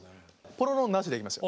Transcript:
ポロロンなしでいきますよ。